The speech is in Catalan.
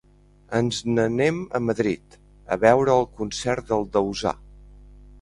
Ens n'anem a Madrid a veure el concert del Dausà!